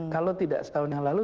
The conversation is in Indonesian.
kalau tidak setahun yang lalu